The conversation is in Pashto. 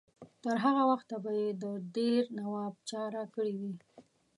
تر هغه وخته به یې د دیر نواب چاره کړې وي.